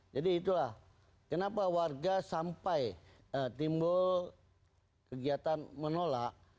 jadi itulah kenapa warga sampai timbul kegiatan menolak